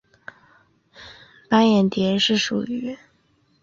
斑眼蝶属是蛱蝶科眼蝶亚科帻眼蝶族中的一个属。